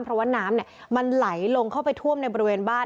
เพราะว่าน้ำมันไหลลงเข้าไปท่วมในบริเวณบ้าน